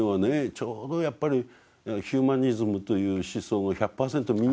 ちょうどやっぱりヒューマニズムという思想が１００％身についた方々ですよ。